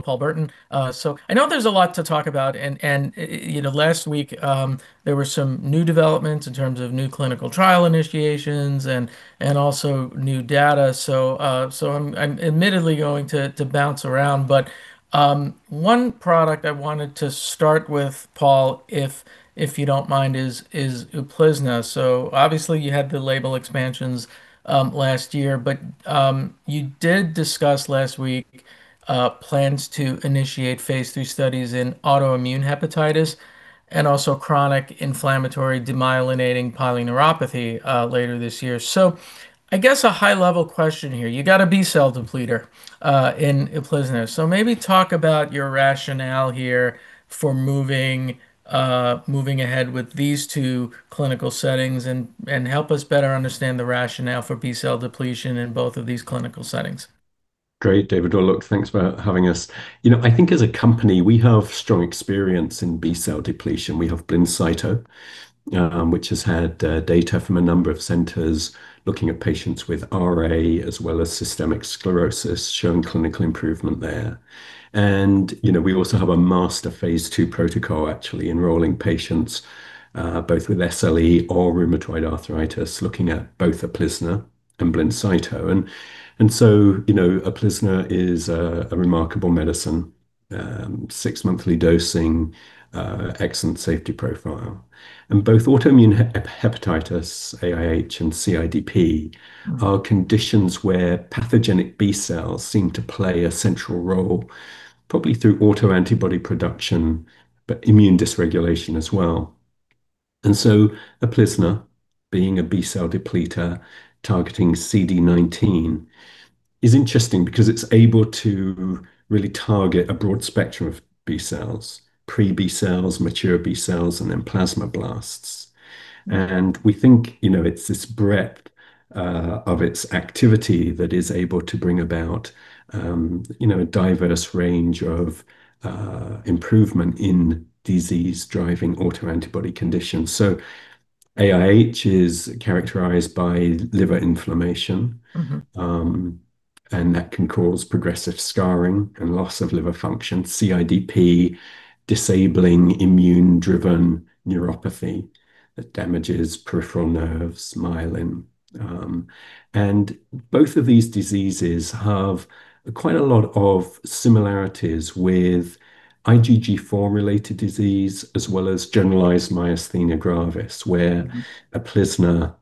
Paul Burton. So I know there's a lot to talk about, and you know, last week, there were some new developments in terms of new clinical trial initiations and also new data. So I'm admittedly going to bounce around, but one product I wanted to start with, Paul, if you don't mind, is UPLIZNA. So obviously, you had the label expansions last year, but you did discuss last week plans to initiate phase III studies in autoimmune hepatitis and also chronic inflammatory demyelinating polyneuropathy later this year. So I guess a high-question here. You got a B-cell depleter in UPLIZNA, so maybe talk about your rationale here for moving ahead with these two clinical settings and help us better understand the rationale for B-cell depletion in both of these clinical settings. Great, David, thanks for having us. You know, I think as a company, we have strong experience in B-cell depletion. We have BLINCYTO, which has had data from a number of centers looking at patients with RA as well as systemic sclerosis, showing clinical improvement there. And, you know, we also have a master phase II protocol actually enrolling patients both with SLE or rheumatoid arthritis, looking at both UPLIZNA and BLINCYTO. And so, you know, UPLIZNA is a remarkable medicine, six-monthly dosing, excellent safety profile. And both autoimmune hepatitis, AIH, and CIDP are conditions where pathogenic B-cells seem to play a central role, probably through autoantibody production, but immune dysregulation as well. And so UPLIZNA, being a B-cell depleter targeting CD19, is interesting because it's able to really target a broad spectrum of B-cells, pre-B-cells, mature B-cells, and then plasmablasts. We think, you know, it's this breadth of its activity that is able to bring about, you know, a diverse range of improvement in disease-driving autoantibody conditions. AIH is characterized by liver inflammation- Mm-hmm and that can cause progressive scarring and loss of liver function. CIDP, disabling immune-driven neuropathy that damages peripheral nerves, myelin. And both of these diseases have quite a lot of similarities with IgG4-related disease, as well as generalized myasthenia gravis, where UPLIZNA,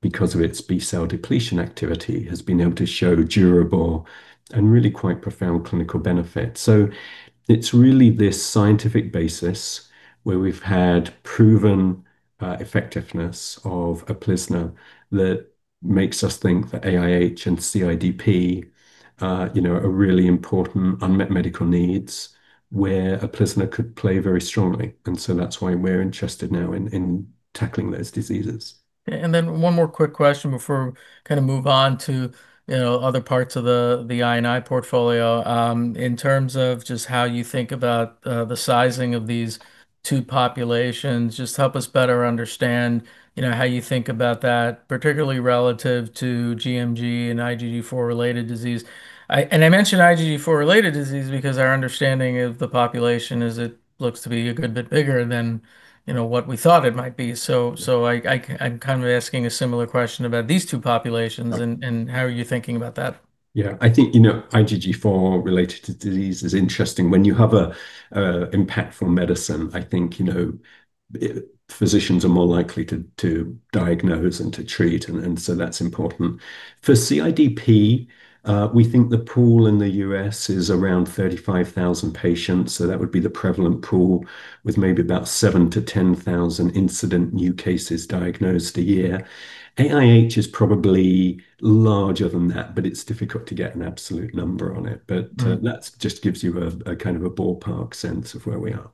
because of its B-cell depletion activity, has been able to show durable and really quite profound clinical benefit. So it's really this scientific basis where we've had proven effectiveness of UPLIZNA that makes us think that AIH and CIDP, you know, are really important unmet medical needs where UPLIZNA could play very strongly, and so that's why we're interested now in, in tackling those diseases. And then one more quick question before we kind of move on to, you know, other parts of the, the I&I portfolio. In terms of just how you think about, the sizing of these two populations, just help us better understand, you know, how you think about that, particularly relative to gMG and IgG4-related disease. And I mention IgG4-related disease because our understanding of the population is it looks to be a good bit bigger than, you know, what we thought it might be. So, I'm kind of asking a similar question about these two populations, and how are you thinking about that? Yeah. I think, you know, IgG4-related disease is interesting. When you have a impactful medicine, I think, you know, physicians are more likely to diagnose and to treat, and so that's important. For CIDP, we think the pool in the U.S. is around 35,000 patients, so that would be the prevalent pool, with maybe about 7,000-10,000 incident new cases diagnosed a year. AIH is probably larger than that, but it's difficult to get an absolute number on it. Mm-hmm. But that just gives you a kind of ballpark sense of where we are.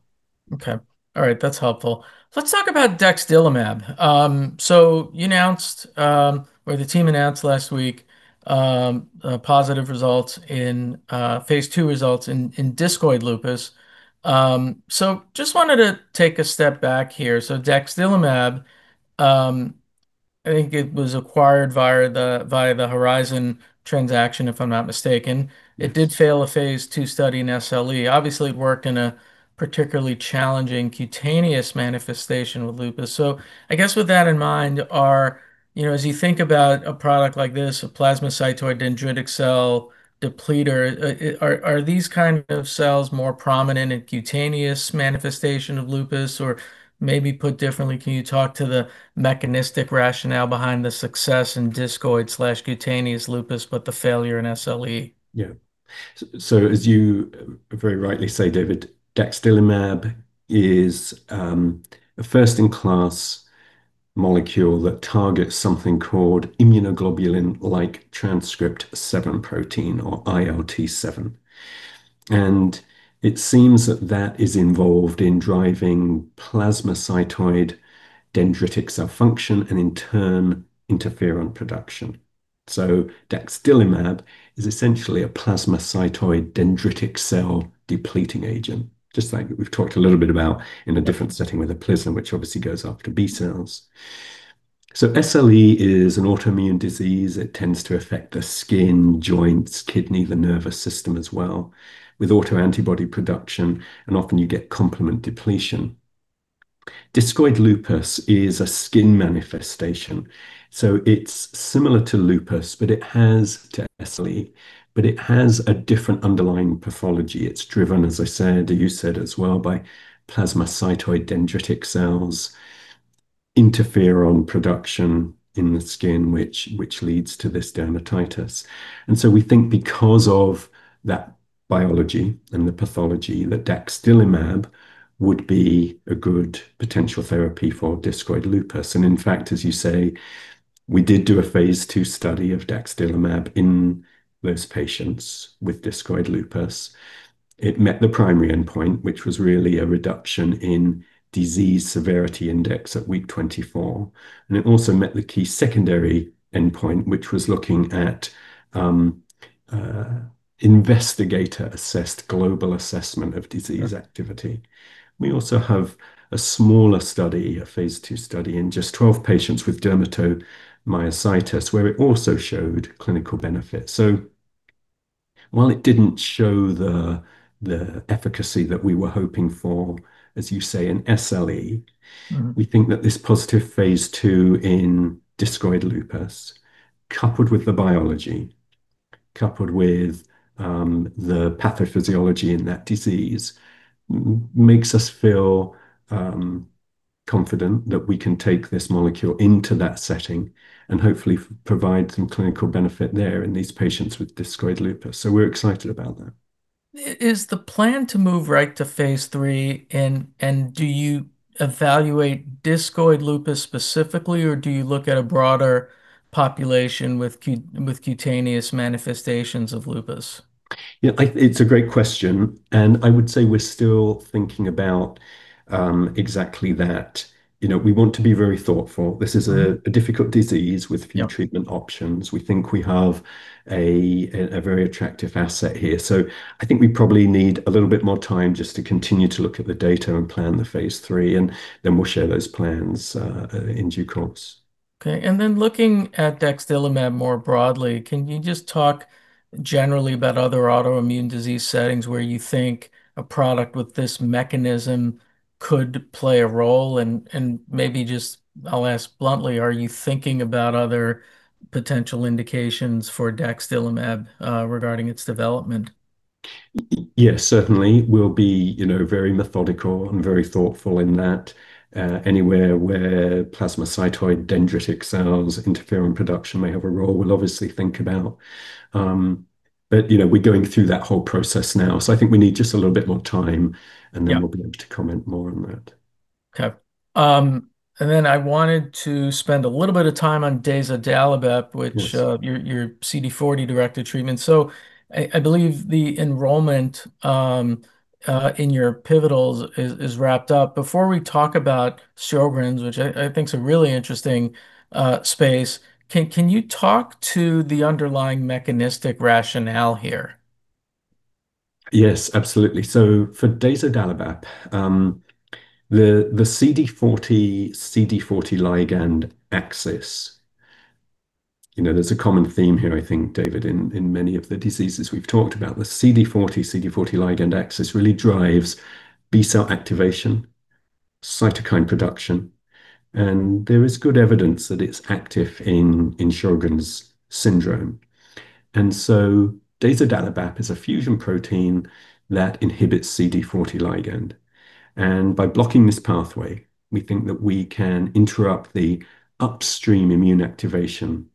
Okay. All right, that's helpful. Let's talk about daxdilimab. So you announced, or the team announced last week, positive phase II results in discoid lupus. So just wanted to take a step back here. So daxdilimab, I think it was acquired via the, via the Horizon transaction, if I'm not mistaken. It did fail a phase II study in SLE. Obviously, it worked in a particularly challenging cutaneous manifestation with lupus. So I guess with that in mind, are, you know, as you think about a product like this, a plasmacytoid dendritic cell depleter, are these kind of cells more prominent in cutaneous manifestation of lupus? Or maybe put differently, can you talk to the mechanistic rationale behind the success in discoid/cutaneous lupus, but the failure in SLE? Yeah. So, so as you very rightly say, David, daxdilimab is a first-in-class molecule that targets something called immunoglobulin-like transcript 7 protein, or ILT-7. And it seems that that is involved in driving plasmacytoid dendritic cell function and, in turn, interferon production. So daxdilimab is essentially a plasmacytoid dendritic cell-depleting agent, just like we've talked a little bit about in a different setting with UPLIZNA, which obviously goes after B cells. So SLE is an autoimmune disease. It tends to affect the skin, joints, kidney, the nervous system as well, with autoantibody production, and often you get complement depletion. Discoid lupus is a skin manifestation, so it's similar to lupus, but it has to SLE, but it has a different underlying pathology. It's driven, as I said, you said as well, by plasmacytoid dendritic cells, interferon production in the skin, which, which leads to this dermatitis. And so we think because of that biology and the pathology, that daxdilimab would be a good potential therapy for discoid lupus. And in fact, as you say, we did do a phase 2 study of daxdilimab in those patients with discoid lupus. It met the primary endpoint, which was really a reduction in disease severity index at week 24. And it also met the key secondary endpoint, which was looking at investigator-assessed global assessment of disease activity. We also have a smaller study, a phase 2 study, in just 12 patients with dermatomyositis, where it also showed clinical benefit. So while it didn't show the, the efficacy that we were hoping for, as you say, in SLE- Mm-hmm. We think that this positive phase 2 in discoid lupus, coupled with the biology, coupled with the pathophysiology in that disease, makes us feel confident that we can take this molecule into that setting and hopefully provide some clinical benefit there in these patients with discoid lupus. So we're excited about that. Is the plan to move right to phase 3, and do you evaluate discoid lupus specifically, or do you look at a broader population with cutaneous manifestations of lupus? Yeah, it's a great question, and I would say we're still thinking about exactly that. You know, we want to be very thoughtful. This is a difficult disease with- Yeah few treatment options. We think we have a very attractive asset here. So I think we probably need a little bit more time just to continue to look at the data and plan the phase 3, and then we'll share those plans in due course. Okay, and then looking at daxdilimab more broadly, can you just talk generally about other autoimmune disease settings where you think a product with this mechanism could play a role? And, and maybe just, I'll ask bluntly, are you thinking about other potential indications for daxdilimab regarding its development? Yes, certainly. We'll be, you know, very methodical and very thoughtful in that anywhere where plasmacytoid dendritic cells, interferon production may have a role, we'll obviously think about. But, you know, we're going through that whole process now, so I think we need just a little bit more time- Yeah... and then we'll be able to comment more on that. Okay. And then I wanted to spend a little bit of time on daxdilimab, which- Yes your CD40-directed treatment. So I believe the enrollment in your pivotals is wrapped up. Before we talk about Sjögren's, which I think is a really interesting space, can you talk to the underlying mechanistic rationale here? Yes, absolutely. So for dazodalibep, the CD40, CD40 ligand axis, you know, there's a common theme here, I think, David, in many of the diseases we've talked about. The CD40, CD40 ligand axis really drives B-cell activation, cytokine production, and there is good evidence that it's active in Sjögren's syndrome. And so dazodalibep is a fusion protein that inhibits CD40 ligand, and by blocking this pathway, we think that we can interrupt the upstream immune activation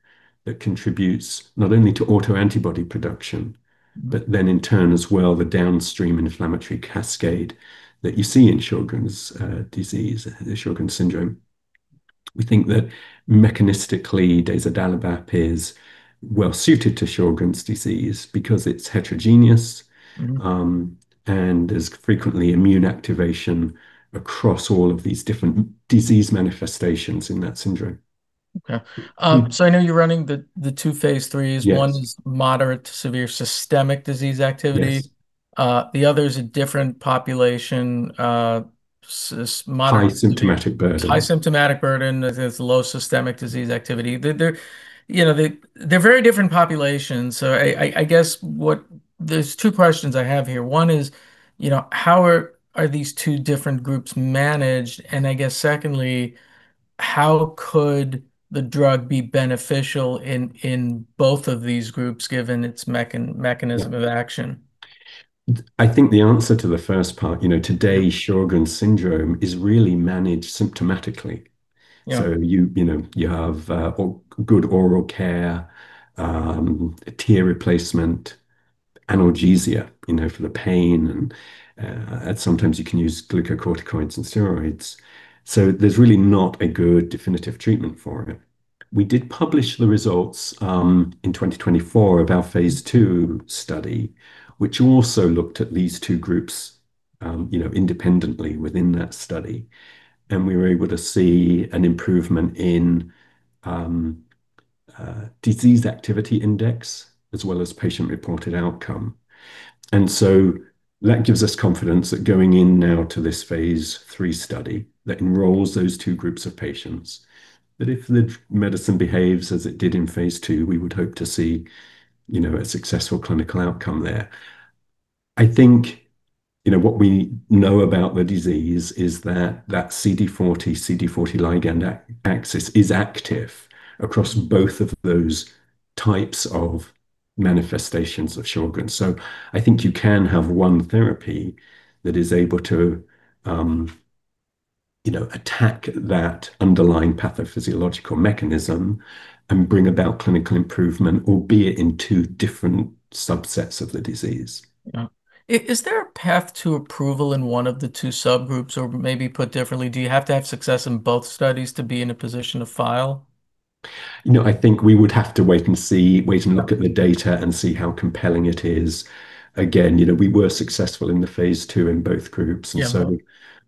that contributes not only to autoantibody production, but then in turn as well, the downstream inflammatory cascade that you see in Sjögren's disease, the Sjögren's syndrome. We think that mechanistically, dazodalibep is well suited to Sjögren's disease because it's heterogeneous- Mm-hmm... and there's frequently immune activation across all of these different disease manifestations in that syndrome. Okay. So I know you're running the two phase threes. Yes. One is moderate to severe systemic disease activity. Yes. The other is a different population, severe moderate. High symptomatic burden. High symptomatic burden, with its low systemic disease activity. They're, you know, they're very different populations. So I guess there's two questions I have here. One is, you know, how are these two different groups managed? And I guess secondly, how could the drug be beneficial in both of these groups, given its mechanism of action? I think the answer to the first part, you know, today, Sjögren's syndrome is really managed symptomatically. Yeah. So you, you know, you have good oral care, tear replacement, analgesia, you know, for the pain, and sometimes you can use glucocorticoids and steroids. So there's really not a good definitive treatment for it. We did publish the results in 2024 of our phase two study, which also looked at these two groups, you know, independently within that study. And we were able to see an improvement in disease activity index as well as patient-reported outcome. And so that gives us confidence that going in now to this phase three study that enrolls those two groups of patients, that if the medicine behaves as it did in phase two, we would hope to see, you know, a successful clinical outcome there. I think, you know, what we know about the disease is that that CD40, CD40 ligand axis is active across both of those types of manifestations of Sjögren's. So I think you can have one therapy that is able to, you know, attack that underlying pathophysiological mechanism and bring about clinical improvement, albeit in two different subsets of the disease. Yeah. Is there a path to approval in one of the two subgroups? Or maybe put differently, do you have to have success in both studies to be in a position to file? You know, I think we would have to wait and see, wait and look at the data and see how compelling it is. Again, you know, we were successful in the phase 2 in both groups- Yeah... and so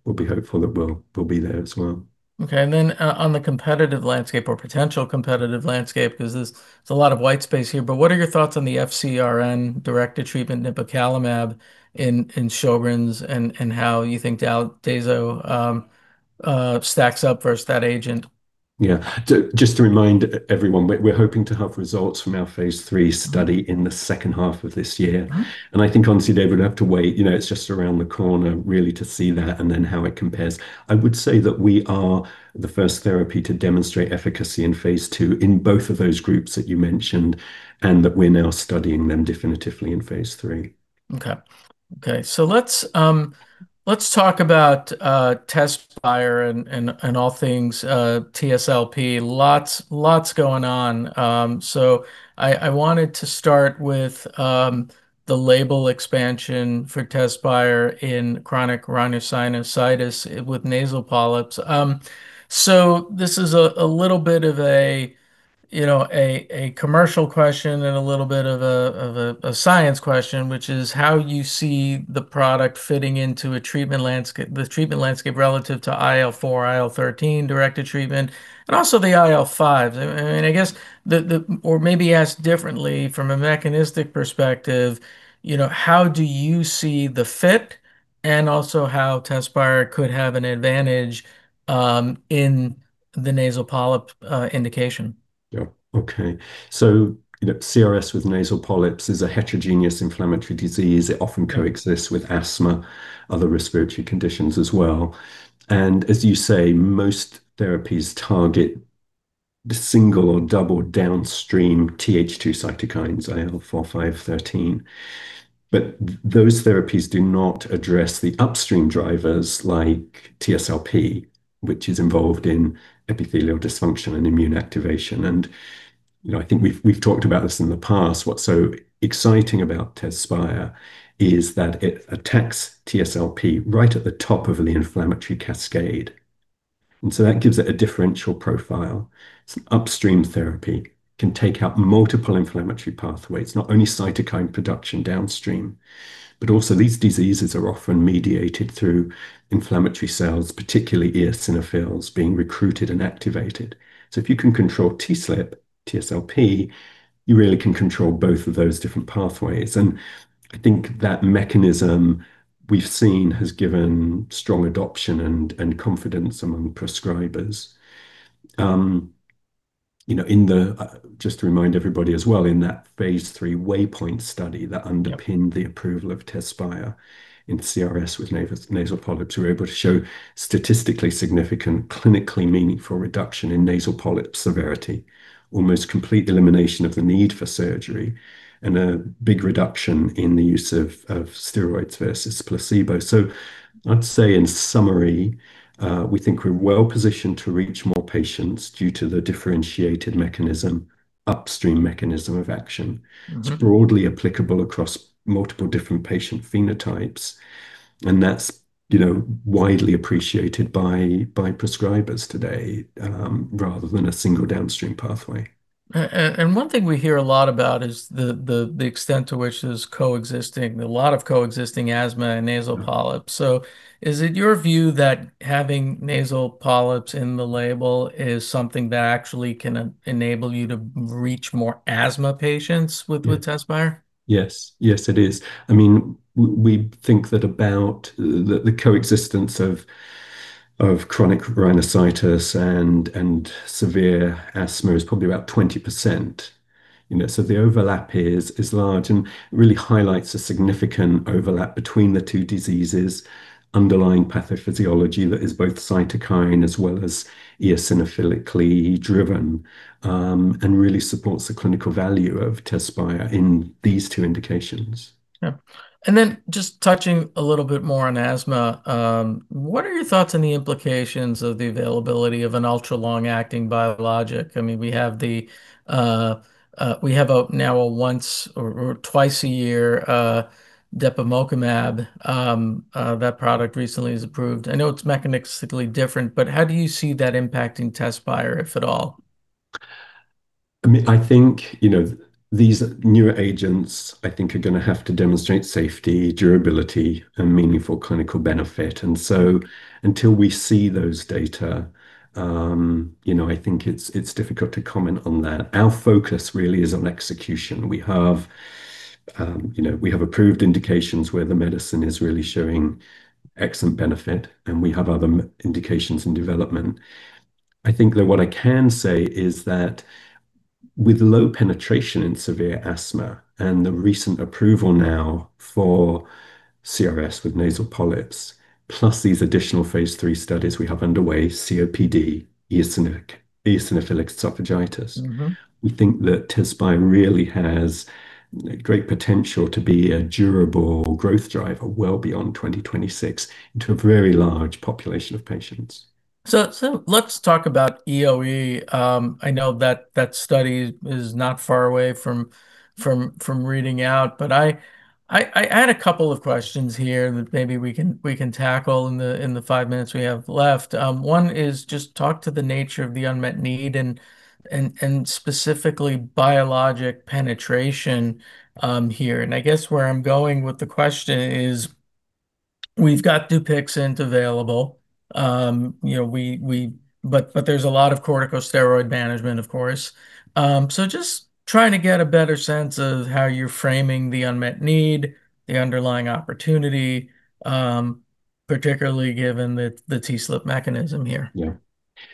we'll be hopeful that we'll, we'll be there as well. Okay, and then on the competitive landscape or potential competitive landscape, because there's a lot of white space here, but what are your thoughts on the FcRn-directed treatment nipocalimab in Sjögren's, and how you think dazodalibep stacks up versus that agent? Yeah. To just remind everyone, we're hoping to have results from our phase 3 study in the second half of this year. Mm. I think obviously, David, we have to wait, you know, it's just around the corner really to see that and then how it compares. I would say that we are the first therapy to demonstrate efficacy in phase 2 in both of those groups that you mentioned, and that we're now studying them definitively in phase 3. Okay. Okay, so let's talk about TEZSPIRE and all things TSLP. Lots going on. So I wanted to start with the label expansion for TEZSPIRE in chronic rhinosinusitis with nasal polyps. So this is a little bit of a, you know, a commercial question and a little bit of a science question, which is how you see the product fitting into a treatment landscape, the treatment landscape relative to IL-4, IL-13-directed treatment, and also the IL-5s. I mean, I guess or maybe asked differently from a mechanistic perspective, you know, how do you see the fit? And also how TEZSPIRE could have an advantage in the nasal polyp indication. Yeah. Okay. So, you know, CRS with nasal polyps is a heterogeneous inflammatory disease. It often coexists with asthma, other respiratory conditions as well. And as you say, most therapies target the single or double downstream Th2 cytokines, IL-4, IL-5, IL-13. But those therapies do not address the upstream drivers like TSLP, which is involved in epithelial dysfunction and immune activation. And, you know, I think we've talked about this in the past. What's so exciting about TEZSPIRE is that it attacks TSLP right at the top of the inflammatory cascade, and so that gives it a differential profile. It's an upstream therapy, can take out multiple inflammatory pathways, not only cytokine production downstream, but also these diseases are often mediated through inflammatory cells, particularly eosinophils being recruited and activated. So if you can control TSLP, you really can control both of those different pathways. I think that mechanism we've seen has given strong adoption and, and confidence among prescribers. You know, just to remind everybody as well, in that phase 3 Waypoint study that underpinned- Yeah... the approval of TEZSPIRE in CRS with nasal polyps, we were able to show statistically significant, clinically meaningful reduction in nasal polyp severity, almost complete elimination of the need for surgery, and a big reduction in the use of steroids versus placebo. So I'd say in summary, we think we're well positioned to reach more patients due to the differentiated mechanism, upstream mechanism of action. Mm-hmm. It's broadly applicable across multiple different patient phenotypes, and that's, you know, widely appreciated by prescribers today, rather than a single downstream pathway. And one thing we hear a lot about is the extent to which there's a lot of coexisting asthma and nasal polyps. Mm. Is it your view that having nasal polyps in the label is something that actually can enable you to reach more asthma patients with? Yeah... with TEZSPIRE? Yes. Yes, it is. I mean, we think that about the coexistence of chronic rhinosinusitis and severe asthma is probably about 20%, you know. So the overlap here is large and really highlights a significant overlap between the two diseases' underlying pathophysiology that is both cytokine as well as eosinophilically driven, and really supports the clinical value of TEZSPIRE in these two indications. Yeah. And then just touching a little bit more on asthma, what are your thoughts on the implications of the availability of an ultra long-acting biologic? I mean, we have the, we now have a once or twice a year dupilumab. That product recently is approved. I know it's mechanistically different, but how do you see that impacting TEZSPIRE, if at all? I mean, I think, you know, these newer agents, I think, are going to have to demonstrate safety, durability, and meaningful clinical benefit. And so until we see those data, you know, I think it's, it's difficult to comment on that. Our focus really is on execution. We have, you know, we have approved indications where the medicine is really showing excellent benefit, and we have other indications in development. I think that what I can say is that with low penetration in severe asthma and the recent approval now for CRS with nasal polyps, plus these additional Phase III studies we have underway, COPD, eosinophilic esophagitis. Mm-hmm. We think that TEZSPIRE really has great potential to be a durable growth driver well beyond 2026 into a very large population of patients. So let's talk about EoE. I know that that study is not far away from reading out, but I had a couple of questions here that maybe we can tackle in the five minutes we have left. One is just talk to the nature of the unmet need and specifically biologic penetration here. And I guess where I'm going with the question is, we've got Dupixent available, you know, but there's a lot of corticosteroid management, of course. So just trying to get a better sense of how you're framing the unmet need, the underlying opportunity, particularly given the TSLP mechanism here. Yeah.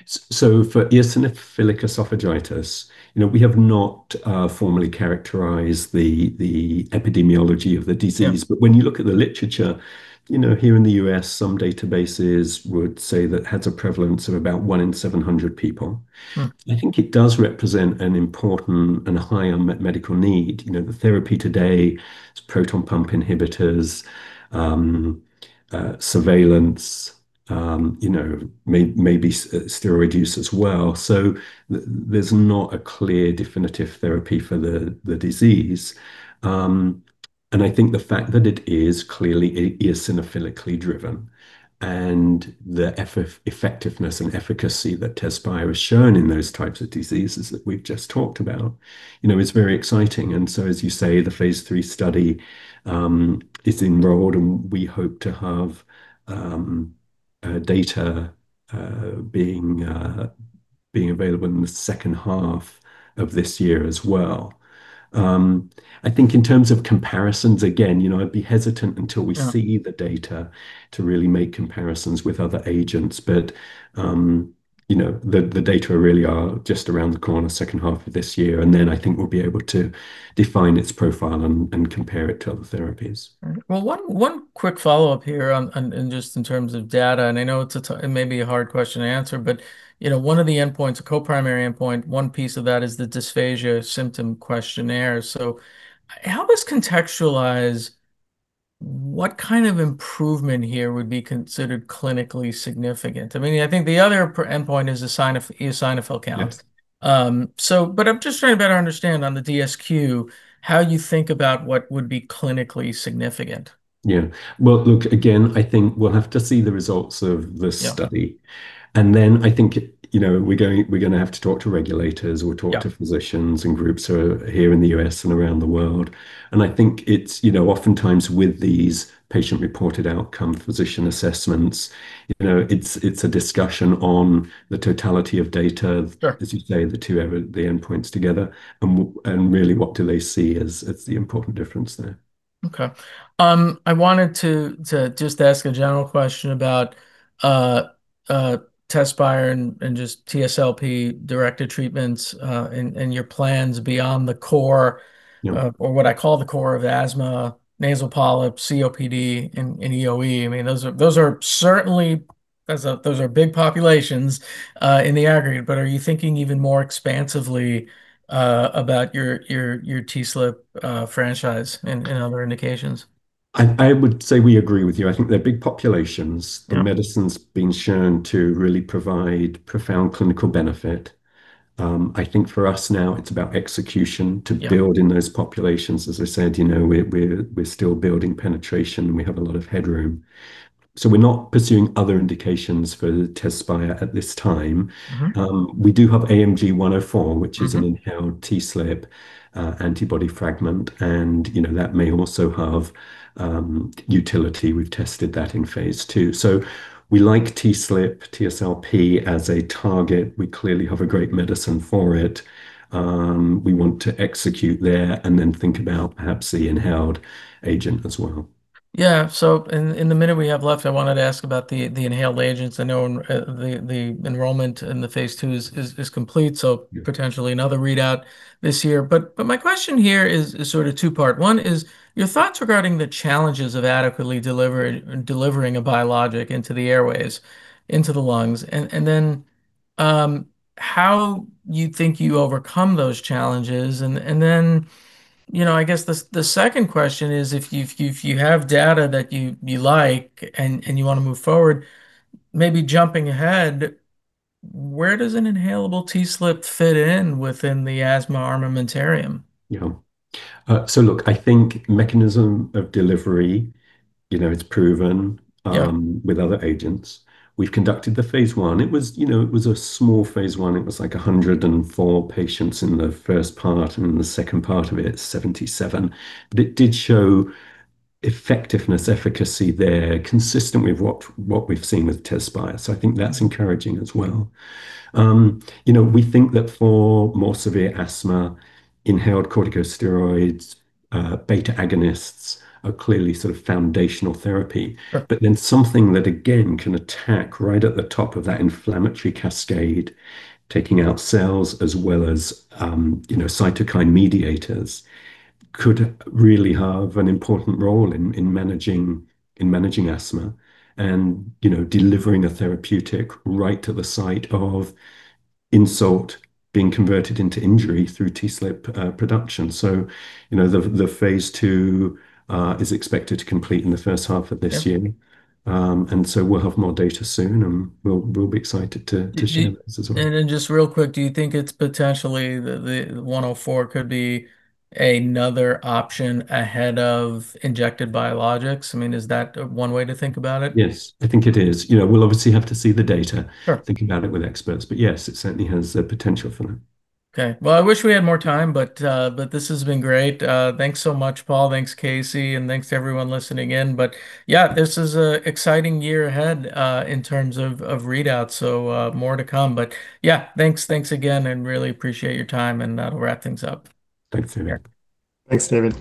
So for eosinophilic esophagitis, you know, we have not formally characterized the epidemiology of the disease. Yeah. When you look at the literature, you know, here in the U.S., some databases would say that it has a prevalence of about 1 in 700 people. Hmm. I think it does represent an important and high unmet medical need. You know, the therapy today is proton pump inhibitors, surveillance, you know, maybe steroid use as well. So there's not a clear definitive therapy for the disease. And I think the fact that it is clearly eosinophilically driven and the effectiveness and efficacy that TEZSPIRE has shown in those types of diseases that we've just talked about, you know, is very exciting. And so, as you say, the phase III study is enrolled, and we hope to have data being available in the second half of this year as well. I think in terms of comparisons, again, you know, I'd be hesitant until we- Yeah... see the data to really make comparisons with other agents. But, you know, the data really are just around the corner, second half of this year, and then I think we'll be able to define its profile and compare it to other therapies. Well, one quick follow-up here on just in terms of data, and I know it may be a hard question to answer, but you know, one of the endpoints, a co-primary endpoint, one piece of that is the Dysphagia Symptom Questionnaire. So help us contextualize what kind of improvement here would be considered clinically significant? I mean, I think the other endpoint is eosinophil count. Yes. I'm just trying to better understand on the DSQ, how you think about what would be clinically significant? Yeah. Well, look, again, I think we'll have to see the results of the study. Yeah. And then I think, you know, we're going, we're going to have to talk to regulators- Yeah... or talk to physicians and groups who are here in the U.S. and around the world. And I think it's, you know, oftentimes with these patient-reported outcome, physician assessments, you know, it's a discussion on the totality of data. Sure... as you say, the two endpoints together, and really, what do they see as the important difference there? Okay. I wanted to just ask a general question about TEZSPIRE and just TSLP-directed treatments and your plans beyond the core- Yeah... or what I call the core of asthma, nasal polyps, COPD, and EoE. I mean, those are certainly big populations in the aggregate. But are you thinking even more expansively about your TSLP franchise in other indications? I would say we agree with you. I think they're big populations. Yeah. The medicine's been shown to really provide profound clinical benefit. I think for us now, it's about execution- Yeah... to build in those populations. As I said, you know, we're still building penetration, and we have a lot of headroom. So we're not pursuing other indications for TEZSPIRE at this time. Mm-hmm. We do have AMG 104- Mm-hmm... which is an inhaled TSLP antibody fragment, and, you know, that may also have utility. We've tested that in phase II. So we like TSLP, TSLP as a target. We clearly have a great medicine for it. We want to execute there and then think about perhaps the inhaled agent as well. Yeah. So in the minute we have left, I wanted to ask about the inhaled agents. I know the enrollment in the phase II is complete. Yeah... so potentially another readout this year. But my question here is sort of two-part. One is, your thoughts regarding the challenges of adequately delivering a biologic into the airways, into the lungs, and then how you think you overcome those challenges. And then, you know, I guess the second question is, if you have data that you like and you want to move forward, maybe jumping ahead, where does an inhalable TSLP fit in within the asthma armamentarium? Yeah. So look, I think mechanism of delivery, you know, it's proven- Yeah... with other agents. We've conducted the phase I. It was, you know, it was a small phase I. It was like 104 patients in the first part, and in the second part of it, 77. But it did show effectiveness, efficacy there, consistent with what, what we've seen with TEZSPIRE. So I think that's encouraging as well. You know, we think that for more severe asthma, inhaled corticosteroids, beta agonists are clearly sort of foundational therapy. Sure. But then something that, again, can attack right at the top of that inflammatory cascade, taking out cells as well as, you know, cytokine mediators, could really have an important role in managing asthma and, you know, delivering a therapeutic right to the site of insult being converted into injury through TSLP production. So, you know, the Phase II is expected to complete in the first half of this year. Yeah. And so we'll have more data soon, and we'll be excited to share this as well. And then just real quick, do you think it's potentially the, the 104 could be another option ahead of injected biologics? I mean, is that one way to think about it? Yes, I think it is. You know, we'll obviously have to see the data- Sure... think about it with experts, but yes, it certainly has the potential for that. Okay. Well, I wish we had more time, but, but this has been great. Thanks so much, Paul. Thanks, Casey, and thanks to everyone listening in. But yeah, this is a exciting year ahead, in terms of, of readout, so, more to come. But yeah, thanks, thanks again, and really appreciate your time, and, we'll wrap things up. Thanks, David. Thanks, David.